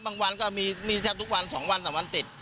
บางวันก็มีแค่ทุกวันสองวันสามวันติด